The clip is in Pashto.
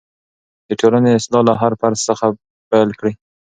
د ټولنې اصلاح له هر فرد څخه پیل کېږي.